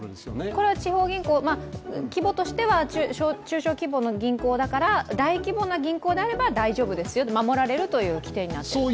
これは地方銀行、規模としては中小規模の銀行だから大規模な銀行であれば大丈夫、守られるという規定になっているんですか？